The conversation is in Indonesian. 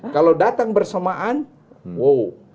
kalau datang bersamaan wow